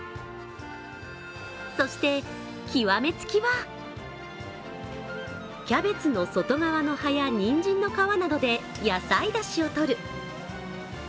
そして、極めつきはキャベツの外側の葉やにんじんの皮などで野菜だしをとる。